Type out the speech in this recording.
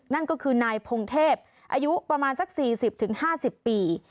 นั่นก็คือนายพงเทพอายุประมาณสัก๔๐๕๐ปี